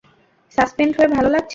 Suspend হয়ে ভালো লাগছে?